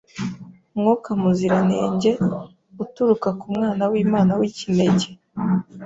Mwuka Muziranenge, uturuka ku Mwana w’Imana w’ikinege